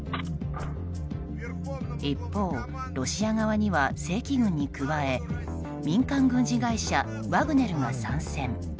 一方、ロシア側には正規軍に加え民間軍事会社ワグネルが参戦。